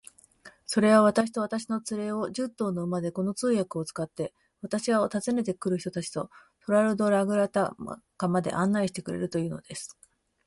それは、私と私の連れを、十頭の馬で、この通訳を使って、私は訪ねて来る人たちとトラルドラグダカまで案内してくれるというのです。